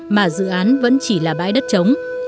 mà dự án vẫn chỉ là bãi đất chống